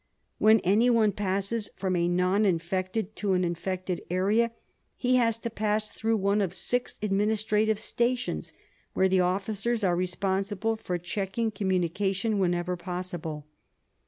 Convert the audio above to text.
When anyone passes from a non infected to an infected area he has to pass through one of six administrative stations, where the officers are responsible for checking communication, whenever possible.